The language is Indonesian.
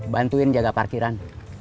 bantuin jaga parkiran